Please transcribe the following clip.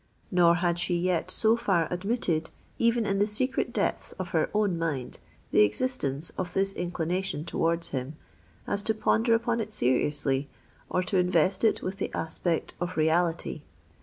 Nor had she yet so far admitted, even in the secret depths of her own mind, the existence of this inclination towards him, as to ponder upon it seriously, or to invest it with the aspect of reality.